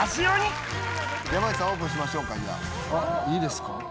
いいですか。